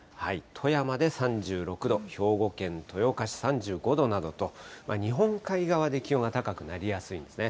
富山で３６度、兵庫県豊岡市３５度などと、日本海側で気温が高くなりやすいんですね。